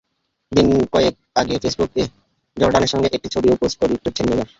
দিন কয়েক আগে ফেসবুকে জর্ডানের সঙ্গে একটা ছবিও পোস্ট করেছেন নেইমার।